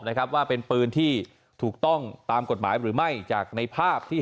นะครับว่าเป็นปืนที่ถูกต้องตามกฎหมายหรือไม่จากในภาพที่